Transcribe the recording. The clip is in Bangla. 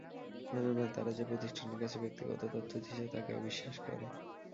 কেননা তারা যে প্রতিষ্ঠানের কাছে ব্যক্তিগত তথ্য দিচ্ছে, তাকে অবিশ্বাস করে।